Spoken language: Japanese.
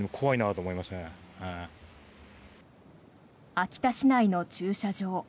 秋田市内の駐車場。